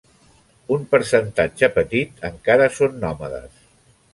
Un percentatge petit encara són nòmades.